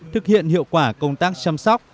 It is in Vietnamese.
thực hiện hiệu quả công tác chăm sóc